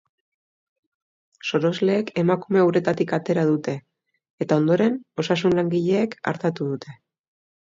Sorosleek emakumea uretatik atera dute, eta ondoren osasun-langileek artatu dute.